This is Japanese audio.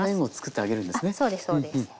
あっそうですそうです。